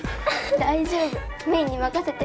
大丈夫芽衣に任せて。